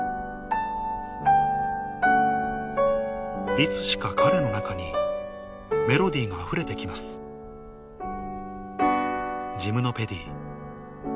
いつしか彼の中にメロディーがあふれて来ます『ジムノペディ』